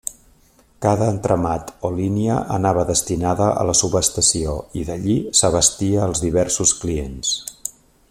Cada entramat, o línia, anava destinada a la subestació i, d'allí, s'abastia els diversos clients.